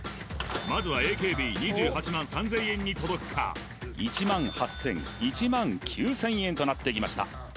まずはＡＫＢ２８万３０００円に届くか１万８０００１万９０００円となってきました